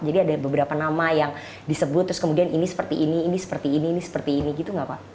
jadi ada beberapa nama yang disebut terus kemudian ini seperti ini ini seperti ini ini seperti ini gitu nggak pak